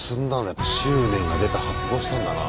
やっぱ執念が出た発動したんだな。